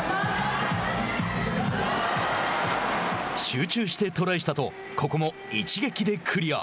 集中してトライしたとここも一撃でクリア。